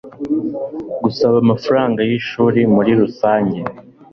gusaba amafaranga y ishuri murirusange